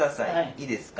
いいですか？